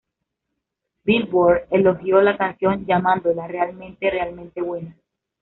Billboard elogió la canción, llamándola "realmente, realmente buena".